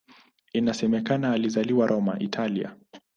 Inasemekana alizaliwa Roma, Italia.